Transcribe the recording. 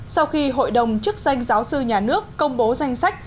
sau khi hội đồng chức danh giáo sư nhà nước công bố danh sách